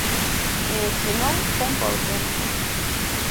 E, se non, tempo ao tempo.